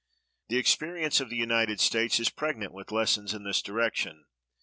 The experience of the United States is pregnant with lessons in this direction.